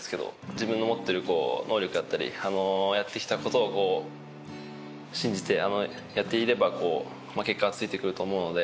自分の持っている能力だったりやってきた事を信じてやっていれば結果がついてくると思うので。